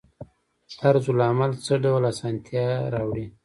طرزالعمل څه ډول اسانتیا راوړي؟